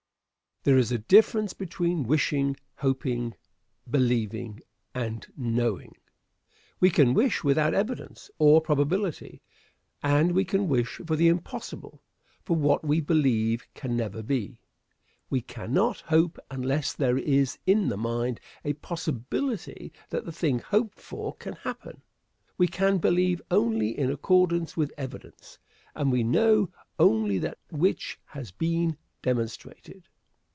Answer. There is a difference between wishing, hoping, believing, and knowing. We can wish without evidence or probability, and we can wish for the impossible for what we believe can never be. We cannot hope unless there is in the mind a possibility that the thing hoped for can happen. We can believe only in accordance with evidence, and we know only that which has been demonstrated.